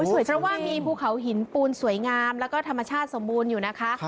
สวยเพราะว่ามีภูเขาหินปูนสวยงามแล้วก็ธรรมชาติสมบูรณ์อยู่นะคะ